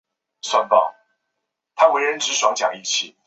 最高位是西十两六。